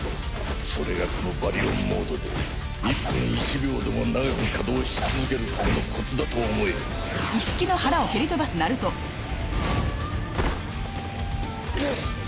それがこのバリオンモードで１分１秒でも長く稼働し続けるためのコツだと思えぐわっ。